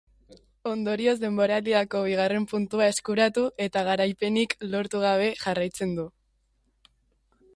Ondorioz, denboraldiko bigarren puntua eskuratu, eta garaipenik lortu gabe jarraitzen du.